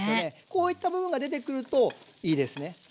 こういった部分が出てくるといいですね。